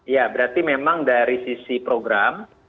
ya berarti memang dari sisi program